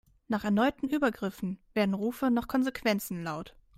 Nach erneuten Übergriffen werden Rufe nach Konsequenzen laut.